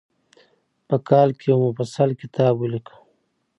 په کال کې یو مفصل کتاب ولیکه.